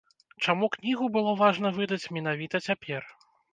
Чаму кнігу было важна выдаць менавіта цяпер?